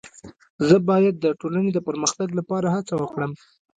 زه باید د ټولني د پرمختګ لپاره هڅه وکړم.